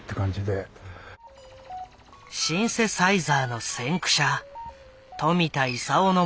シンセサイザーの先駆者冨田勲のもとで学び